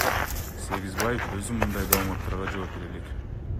Сегизбаев өзү мындай дооматтарга жооп бере элек.